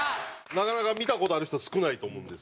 なかなか見た事ある人少ないと思うんですけど。